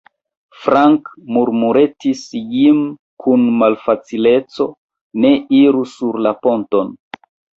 Frank, murmuretis Jim kun malfacileco, ne iru sur la ponton!